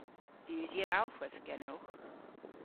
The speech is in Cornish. Usi an alhwedh genowgh?